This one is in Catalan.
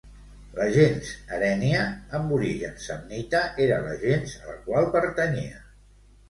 La gens Herènnia, amb origen samnita, era la gens a la qual pertanyia.